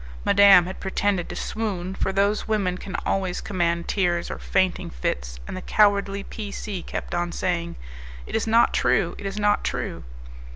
Madame had pretended to swoon, for those women can always command tears or fainting fits, and the cowardly P C kept on saying, "It is not true, it is not true!"